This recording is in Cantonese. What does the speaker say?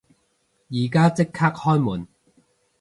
而家即刻開門！